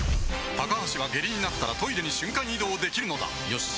高橋は下痢になったらトイレに瞬間移動できるのだよし。